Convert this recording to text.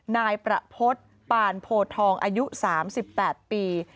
นายประพฤติปานโพทองอายุ๓๘ปี